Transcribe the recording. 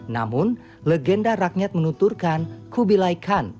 namun legenda rakyat menunturkan kubilai khan